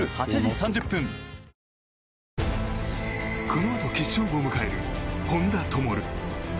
このあと決勝を迎える本多灯。